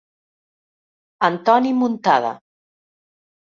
Antoni Muntada.